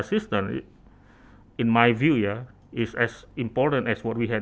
itu sama penting seperti yang kita lakukan pada tahun dua ribu dua puluh